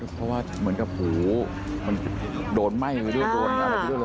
เพราะว่าเหมือนกับหูมันโดนไหม้ไปด้วยโดนอะไรไปด้วย